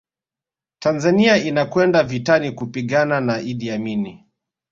Tanzania inakwenda vitani kupigana na Iddi Amini